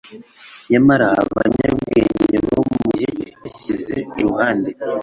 nyamara abanyabwenge bo mu gihe cye yabashyize iruhande: